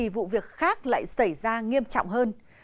vụ việc khác lại xảy ra nghiêm trọng hơn